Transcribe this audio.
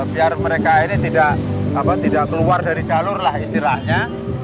biar mereka ini tidak keluar dari jalur lah istilahnya